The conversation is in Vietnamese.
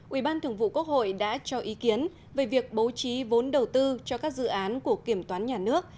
ủy ban thường vụ quốc hội đã cho ý kiến về việc bố trí vốn đầu tư cho các dự án của kiểm toán nhà nước